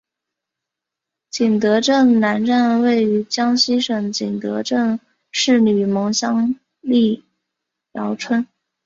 景德镇南站位于江西省景德镇市吕蒙乡历尧村。